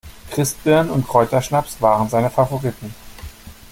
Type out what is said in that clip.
Christbirnen und Kräuterschnaps waren seine Favoriten.